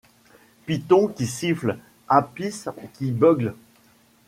Python qui siffle, Apis qui beugle